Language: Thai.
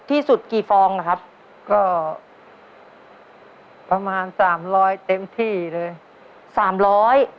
ที่สุดกี่ฟองนะครับก็ประมาณสามร้อยเต็มที่เลยสามร้อย